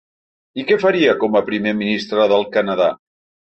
I què faria com a primer ministre del Canadà?